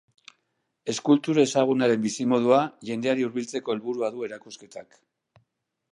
Eskulture ezagunaren bizimodua jendeari hurbiltzeko helburua du erakusketak.